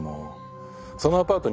そのアパート